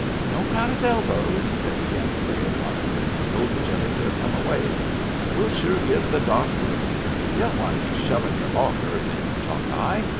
"Don't crowd his elbows," they began to say at once, and told each other to come away. "We'll sure give the Doc room. You don't want to be shovin' your auger in, Chalkeye.